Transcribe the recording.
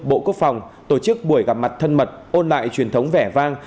bộ quốc phòng tổ chức buổi gặp mặt thân mật ôn lại truyền thống vẻ vang